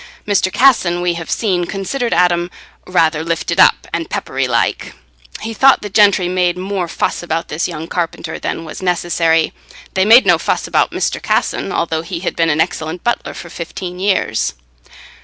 Mr. Casson, we have seen, considered Adam "rather lifted up and peppery like": he thought the gentry made more fuss about this young carpenter than was necessary; they made no fuss about Mr. Casson, although he had been an excellent butler for fifteen years.